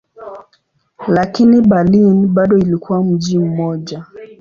Lakini Berlin bado ilikuwa mji mmoja.